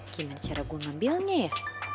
gimana cara gue ngambilnya ya